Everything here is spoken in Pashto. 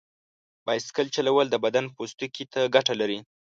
بایسکل چلول د بدن پوستکي ته ګټه لري.